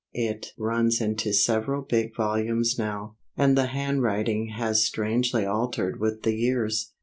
It runs into several big volumes now, and the handwriting has strangely altered with the years.